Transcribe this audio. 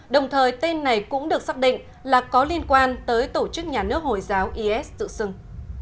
đồng thời tên này cũng được xác định là có liên quan tới tổ chức nhà nước hồi giáo is tự xưng